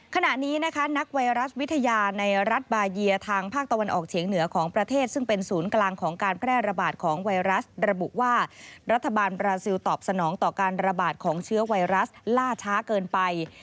ขณะนี้นะคะนักไวรัสวิทยาในรัฐบาเยียทางภาคตะวันออกเฉียงเหนือของประเทศซึ่งเป็นศูนย์กลางของการแพร่ระบาดของไวรัสระบุว่ารัฐบาลบราซิลตอบสนองต่อการระบาดของเชื้อไวรัสล่าช้าเกินไป